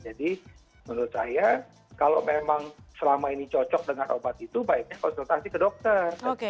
jadi menurut saya kalau memang selama ini cocok dengan obat itu baiknya konsultasi ke dokter